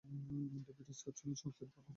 David Scott ছিলেন সংস্থাটির প্রথম সভাপতি।